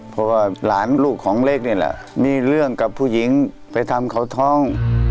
เพราะว่าหลานลูกของเล็กนี่แหละมีเรื่องกับผู้หญิงไปทำเขาท้อง